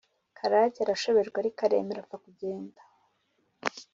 karake arashoberwa ariko aremera apfa kugenda,